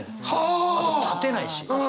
あと立てないし。